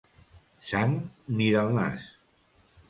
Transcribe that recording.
Sang, ni del nas.